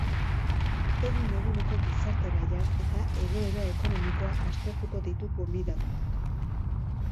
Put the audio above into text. Egun-eguneko gizarte gaiak eta egoera ekonomikoa aztertuko ditu gonbidatuak.